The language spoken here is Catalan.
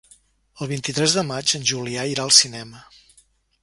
El vint-i-tres de maig en Julià irà al cinema.